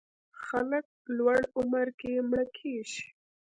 خلک لوړ عمر کې مړه کېږي.